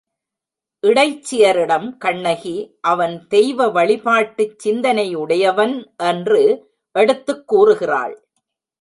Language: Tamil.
இடைச்சியரிடம் கண்ணகி அவன் தெய்வ வழிபாட்டுச் சிந்தனை உடையவன் என்று எடுத்துக் கூறுகிறாள்.